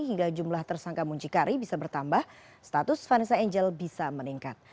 hingga jumlah tersangka muncikari bisa bertambah status vanessa angel bisa meningkat